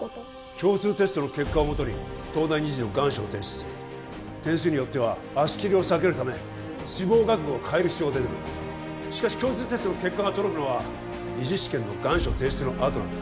共通テストの結果をもとに東大二次の願書を提出する点数によっては足切りを避けるため志望学部を変える必要が出てくるんだしかし共通テストの結果が届くのは二次試験の願書提出のあとなんだ